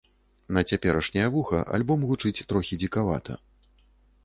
На цяперашняе вуха альбом гучыць трохі дзікавата.